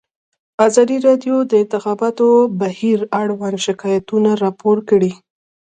ازادي راډیو د د انتخاباتو بهیر اړوند شکایتونه راپور کړي.